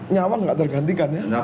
nyawa nggak tergantikan ya